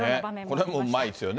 これもうまいですよね。